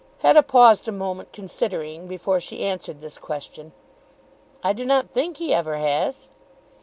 Hetta paused a moment, considering, before she answered this question. "I do not think he ever has."